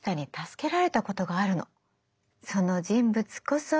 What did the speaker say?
その人物こそ。